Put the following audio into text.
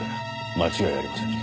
間違いありませんね。